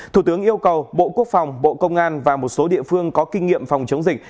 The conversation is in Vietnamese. thủ tướng yêu cầu bộ quốc phòng bộ công an và một số địa phương có kinh nghiệm phòng chống dịch